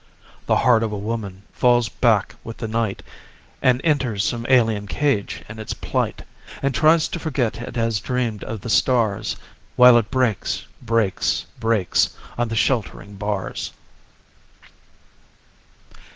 The heart of a woman falls back with the night, And enters some alien cage in its plight, And tries to forget it has dreamed of the stars While it breaks, breaks, breaks on the sheltering bars.